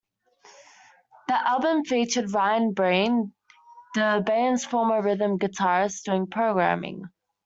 The album featured Ryan Breen, the band's former rhythm guitarist, doing programming.